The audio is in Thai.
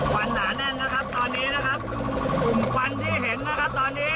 วันหนาแน่นนะครับตอนนี้นะครับกลุ่มควันที่เห็นนะครับตอนนี้